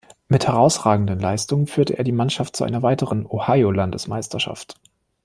Mit herausragenden Leistungen führte er die Mannschaft zu einer weiteren Ohio-Landesmeisterschaft.